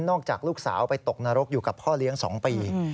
จากลูกสาวไปตกนรกอยู่กับพ่อเลี้ยง๒ปี